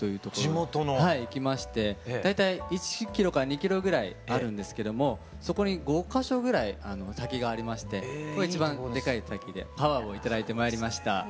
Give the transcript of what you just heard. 大体１キロか２キロぐらいあるんですけどもそこに５か所ぐらい滝がありましてここが一番でかい滝でパワーを頂いてまいりました。